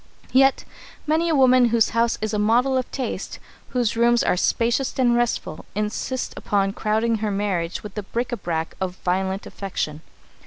Yet many a woman whose house is a model of taste, whose rooms are spacious and restful, insists upon crowding her marriage with the bric à brac of violent affection.